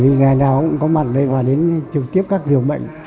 bởi vì ngày nào cũng có mặt liên quan đến trực tiếp các dưỡng bệnh